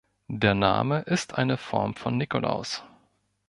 Der Name ist eine Form von Nikolaus.